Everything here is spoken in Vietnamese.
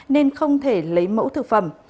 nên không thể lấy mẫu thực phẩm